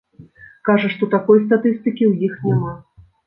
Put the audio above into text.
Кажа, што такой статыстыкі ў іх няма.